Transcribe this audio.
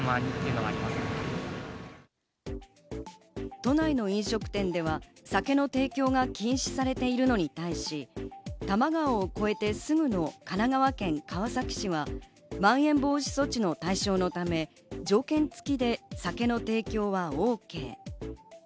都内の飲食店では酒の提供が禁止されているのに対し、多摩川を越えてすぐの神奈川県川崎市は、まん延防止措置の対象のため条件付きで酒の提供はＯＫ。